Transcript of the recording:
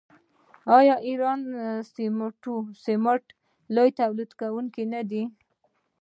آیا ایران د سمنټو لوی تولیدونکی نه دی؟